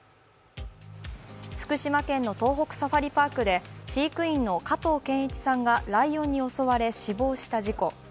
福島県の東北サファリパークで飼育員の加藤健一さんがライオンに襲われ、死亡した事故。